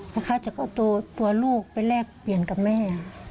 แล้วเขาจะเอาตัวลูกไปแลกเปลี่ยนกับแม่